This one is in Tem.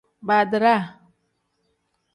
Badiraa.